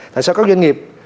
tại sao các doanh nghiệp